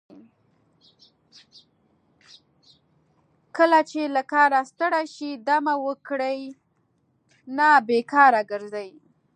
کله چې له کاره ستړي شئ دمه وکړئ نه بیکاره ګرځئ.